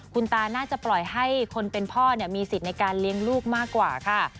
คุณตาน่าจะปล่อยให้คนเป็นพ่อมีสิทธิ์ในการเลี้ยงลูกมากกว่าค่ะ